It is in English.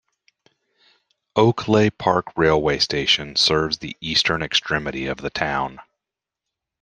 Oakleigh Park railway station serves the eastern extremity of the town.